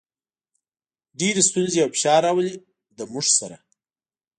ډېرې ستونزې او فشار راولي، له موږ سره.